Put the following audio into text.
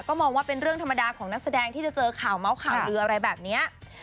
ก็มองว่าเป็นเรื่องธรรมดาของนักแสดงที่จะเจอข่าวเมาส์ข่าวลืออะไรแบบนี้